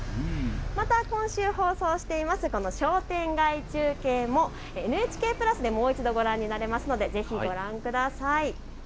また今週、放送している商店街中継もＮＨＫプラスでもう一度ご覧になれるのでぜひご覧ください。